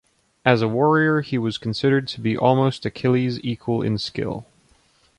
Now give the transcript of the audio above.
As a warrior he was considered to be almost Achilles' equal in skill.